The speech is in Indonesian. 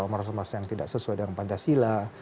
ormas ormas yang tidak sesuai dengan pancasila